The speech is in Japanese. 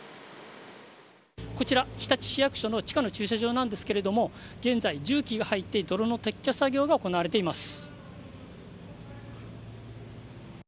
こちら、日立市役所の地下の駐車場なんですが現在、重機が入って泥の撤去作業が行われています。